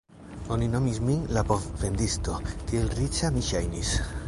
Oni nomis min la bovvendisto, tiel riĉa mi ŝajnis!